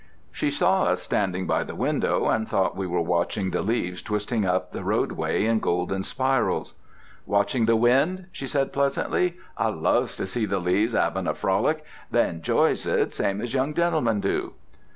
She saw us standing by the window, and thought we were watching the leaves twisting up the roadway in golden spirals. "Watching the wind?" she said pleasantly. "I loves to see the leaves 'avin' a frolic. They enjoys it, same as young gentlemen do."